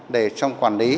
để trong quản lý